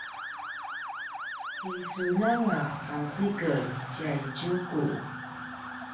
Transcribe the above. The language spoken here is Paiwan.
ti sun anga pacikel tjay Tjuku